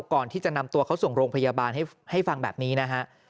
ก่อนที่จะนำตัวเขาส่งโรงพยาบาลให้ฟังแบบนี้นะฮะ